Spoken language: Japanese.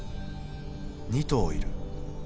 ２頭いる。